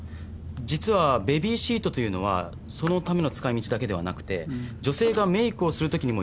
実はベビーシートというのはそのための使い道だけではなくて女性がメークをするときにもよく倒して使うんです。